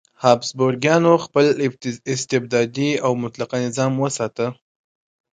هابسبورګیانو خپل استبدادي او مطلقه نظام وساته.